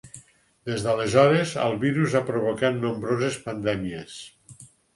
Des d'aleshores, el virus ha provocat nombroses pandèmies.